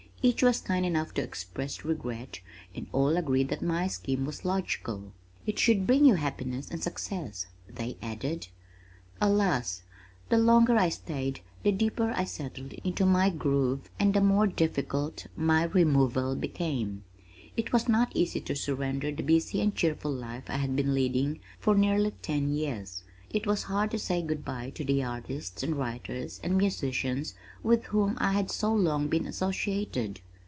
Each was kind enough to express regret and all agreed that my scheme was logical. "It should bring you happiness and success," they added. Alas! The longer I stayed, the deeper I settled into my groove and the more difficult my removal became. It was not easy to surrender the busy and cheerful life I had been leading for nearly ten years. It was hard to say good bye to the artists and writers and musicians with whom I had so long been associated.